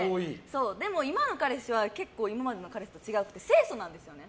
でも今の彼氏は結構、今までの彼氏と違って清楚なんですよね。